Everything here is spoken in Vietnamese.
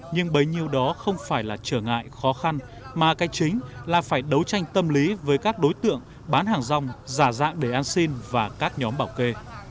nhưng bấy nhiêu đó không phải là trở ngại khó khăn mà cái chính là phải đấu tranh tâm lý với các đối tượng bán hàng rong giả dạng để ăn xin và các nhóm bảo kê